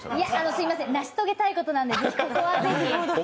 すいません、成し遂げたいことなんで、ここはぜひ。